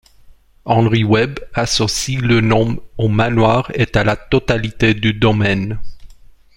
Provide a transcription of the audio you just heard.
Henry Webb associe le nom de au manoir et à la totalité du domaine.